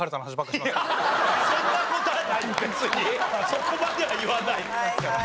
そこまでは言わない。